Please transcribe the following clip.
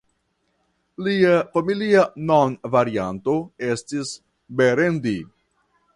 Lia familia nomvarianto estis Berendi.